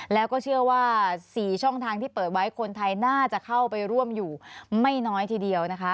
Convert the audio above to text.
แล้วก็เชื่อว่า๔ช่องทางที่เปิดไว้คนไทยน่าจะเข้าไปร่วมอยู่ไม่น้อยทีเดียวนะคะ